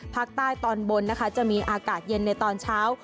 ภาคใต้ตอนบนนะคะจะมีอากาศเย็นในตอนเช้า